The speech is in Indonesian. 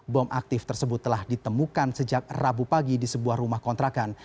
bom aktif tersebut telah ditemukan sejak rabu pagi di sebuah rumah kontrakan